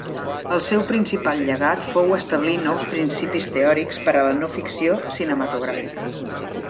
El seu principal llegat fou establir nous principis teòrics per a la no-ficció cinematogràfica.